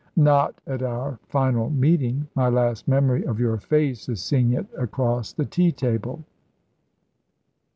"Not at our final meeting. My last memory of your face is seeing it across the tea table."